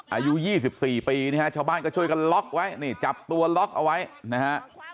อายุ๒๔ปีนะฮะชาวบ้านก็ช่วยกันล็อกไว้นี่จับตัวล็อกเอาไว้นะฮะ